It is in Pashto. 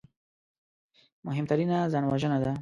مهمترینه ځانوژنه ده